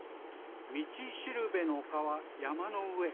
みちしるべのおかはやまのうえ。